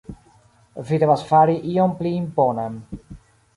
Vi devas fari ion pli imponan.